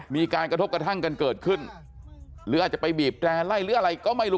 มีการกระทบกระทั่งกันเกิดขึ้นหรืออาจจะไปบีบแร่ไล่หรืออะไรก็ไม่รู้